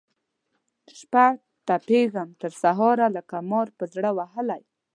شپه تپېږم تر سهاره لکه مار پر زړه وهلی